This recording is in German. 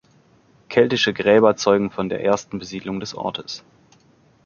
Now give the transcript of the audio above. Keltische Gräber zeugen von der ersten Besiedelung des Ortes.